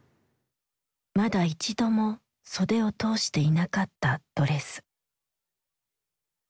まだ一度も袖を通していなかったドレス。